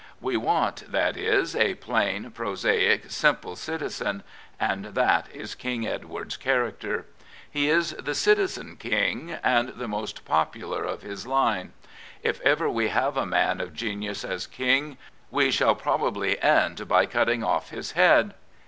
We want, that is, a plain, prosaic, simple citizen, and that is King Edward's character. He is the citizen King, and the most popular of his line. If ever we have a man of genius as King, we shall probably end by cutting off his head.